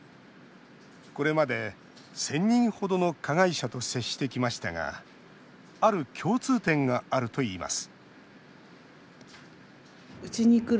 これまで１０００人程の加害者と接してきましたがある共通点があるといいます